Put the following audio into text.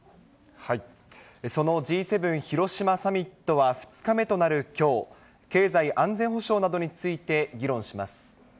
そのＧ７広島サミットは２日目となるきょう、経済安全保障などについて議論します。